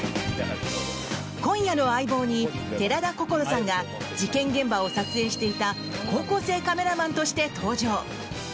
今夜の「相棒」に寺田心さんが事件現場を撮影していた高校生カメラマンとして登場。